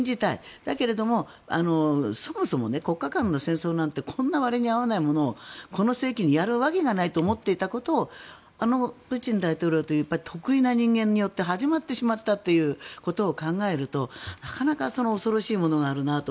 だけれどもそもそも国家間の戦争なんてこんな割に合わないものをこの世紀にやるわけがないと思っていたものをあのプーチン大統領という特異な人間によって始まってしまったということを考えるとなかなか恐ろしいものがあるなと。